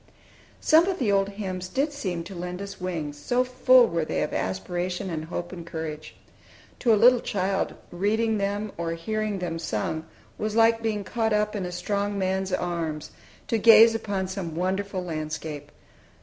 Some of the old hymns did seem to lend us wings, so full were they of aspiration and hope and courage. To a little child, reading them or hearing them sung was like being caught up in a strong man's arms, to gaze upon some wonderful landscape.